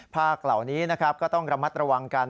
ภาคเหล่านี้นะครับก็ต้องระมัดระวังกัน